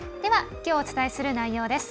きょうお伝えする内容です。